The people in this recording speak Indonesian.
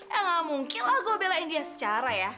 ya gak mungkin lah gue belain dia secara ya